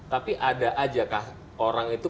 tapi ada aja kah orang itu